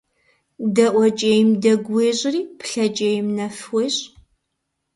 ДаӀуэкӀейм дэгу уещӀри, плъэкӀейм нэф уещӀ.